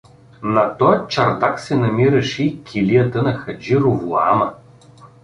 На тоя чардак се намираше и килията на Хаджи Ровоама.